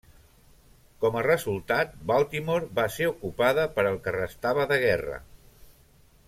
Com a resultat, Baltimore va ser ocupada per al que restava de guerra.